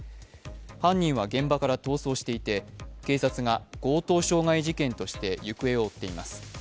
犯人は現場から逃走していて警察が強盗傷害事件として行方を追っています。